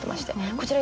こちら。